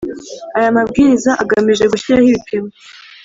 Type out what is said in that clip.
Aya mabwiriza agamije gushyiraho ibipimo